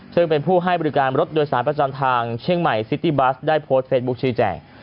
ซึ่งเป็นผู้ให้บริการรถโดยสารประจำทางเชียงใหม่ซิตี้บัสได้โพสต์เฟซบุ๊คชี้แจง